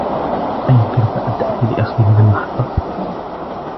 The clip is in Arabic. أيمكنك أن تأتي لأخذي من المحطة ؟